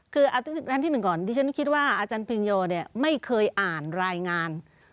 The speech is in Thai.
คือทางที่๑ก่อนที่ฉันคิดว่าอาจารย์พิงโยไม่เคยอ่านรายงาน